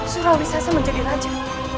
surawi sesa menjadi raja